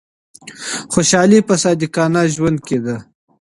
خوشحالي په صادقانه ژوند کي ده.